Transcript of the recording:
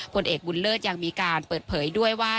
ผลเอกบุญเลิศยังมีการเปิดเผยด้วยว่า